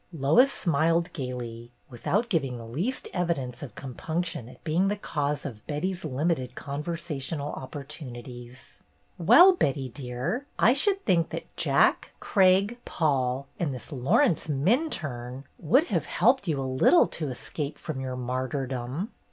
Lois smiled gayly, without giving the least evidence of compunction at being the cause of Betty's limited conversational opportunities. "Well, Betty, dear, I should think that Jack, Craig, Paul, and this Laurence Minturne would have helped you a little to escape from your martyrdom."